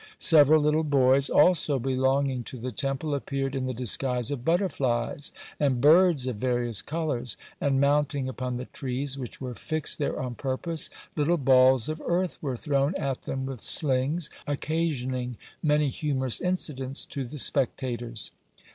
Several little boys also, belonging to the temple, appeared in the disguise of butterflies, and birds of various colours, and mounting upon the trees which were fixed there on purpose, little balls of earth were thrown at them with slings, occasioning many humorous incidents to the spectators."